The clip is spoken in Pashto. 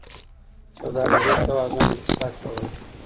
سوداګریز توازن اقتصاد پیاوړی کوي.